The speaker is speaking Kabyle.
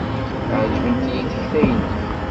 Ɛejbent-iyi tekta-nnek.